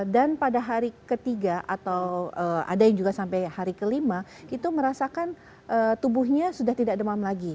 dan pada hari ketiga atau ada yang juga sampai hari kelima itu merasakan tubuhnya sudah tidak demam lagi